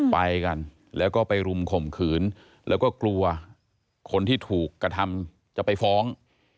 ไปกันแล้วก็ไปรุมข่มขืนแล้วก็กลัวคนที่ถูกกระทำจะไปฟ้อง